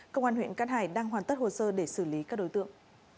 công an huyện cát hải đang hoàn tất hồ sơ để xử lý các đối tượng